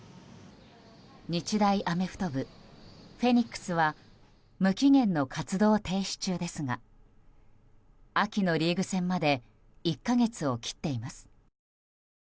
日大アメフト部フェニックスは無期限の活動停止中ですが秋のリーグ戦まで１か月を切っています。